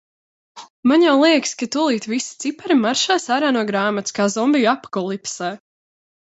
Man jau liekas, ka tūlīt visi cipari maršēs ārā no grāmatas kā zombiju apokalipsē.